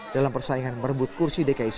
dalam persaingan merebut kursi dki satu